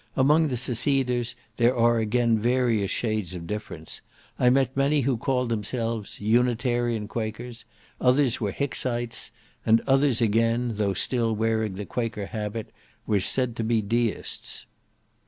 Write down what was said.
Among the seceders there are again various shades of difference; I met many who called themselves Unitarian Quakers, others were Hicksites, and others again, though still wearing the Quaker habit, were said to be Deists.